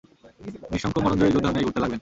নিঃশঙ্ক মরণজয়ী যোদ্ধার ন্যায় ঘুরতে লাগলেন।